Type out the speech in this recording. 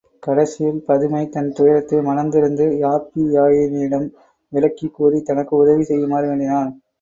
கடைசியில் பதுமை தன் துயரத்தை மனம் திறந்து யாப்பியாயினியிடம் விளக்கிக் கூறித் தனக்கு உதவி செய்யுமாறு வேண்டினாள்.